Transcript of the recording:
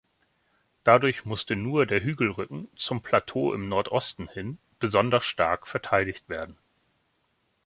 Dadurch musste nur der Hügelrücken, zum Plateau im Nordosten hin, besonders stark verteidigt werden.